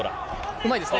うまいですね。